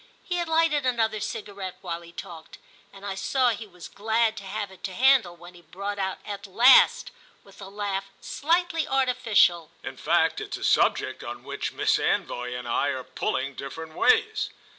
He had lighted another cigarette while he talked, and I saw he was glad to have it to handle when he brought out at last, with a laugh slightly artificial: "In fact it's a subject on which Miss Anvoy and I are pulling different ways."